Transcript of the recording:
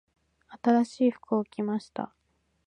新しい服を着ました。